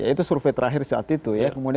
itu survei terakhir saat itu ya